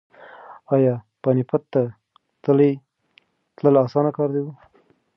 ایا پاني پت ته تلل اسانه کار و؟